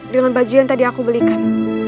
dengan baju yang tadi aku belikan